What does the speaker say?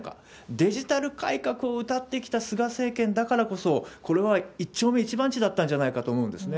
デジタル改革をうたってきた菅政権だからこそ、これは一丁目一番地だったんじゃないかと思うんですね。